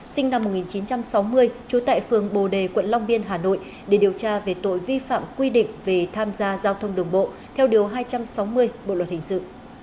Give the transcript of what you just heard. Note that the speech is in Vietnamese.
sinh năm một nghìn chín trăm sáu mươi trú tại phường bồ đề quận long biên hà nội để điều tra về tội vi phạm quy định về tham gia giao thông đường bộ theo điều hai trăm sáu mươi bộ luật hình sự